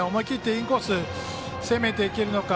インコース攻めていけるのか。